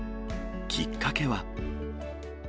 きっかけは。